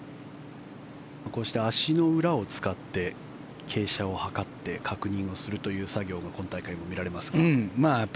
こうして足の裏を使って傾斜を測って確認をするという作業を今大会、見られますが。